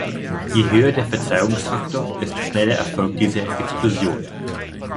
Je höher der Verzweigungsfaktor, desto schneller erfolgt diese „Explosion“.